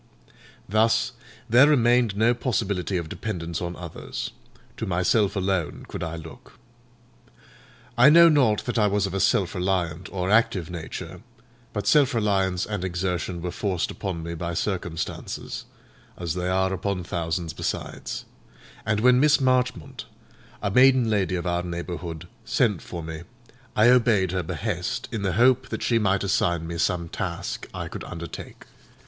Thus, there remained no possibility of dependence on others; to myself alone could I look. I know not that I was of a self reliant or active nature; but self reliance and exertion were forced upon me by circumstances, as they are upon thousands besides; and when Miss Marchmont, a maiden lady of our neighbourhood, sent for me, I obeyed her behest, in the hope that she might assign me some task I could undertake.